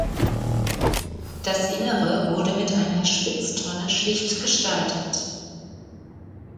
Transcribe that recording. Das Innere wurde mit einer Spitztonne schlicht gestaltet.